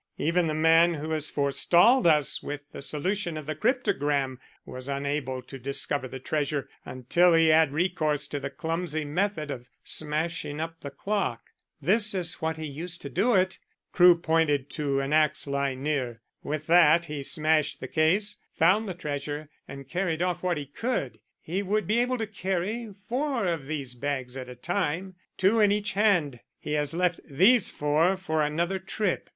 Even the man who has forestalled us with the solution of the cryptogram was unable to discover the treasure until he had recourse to the clumsy method of smashing up the clock. This is what he used to do it." Crewe pointed to an axe lying near. "With that he smashed the case, found the treasure, and carried off what he could. He would be able to carry four of these bags at a time two in each hand. He has left these four for another trip.